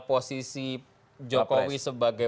posisi jokowi sebagai